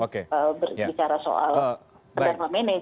bukan bicara soal dan memanagenya gitu